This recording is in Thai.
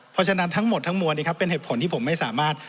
เพราะฉะนั้นทั้งหมดทั้งมวลเป็นเหตุผลที่ผมไม่สามารถ